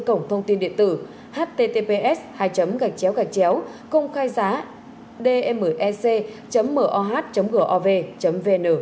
cổng thông tin điện tử https hai công khai giá dmec moh gov vn